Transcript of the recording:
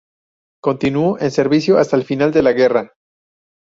Continuó en servicio hasta el final de la guerra.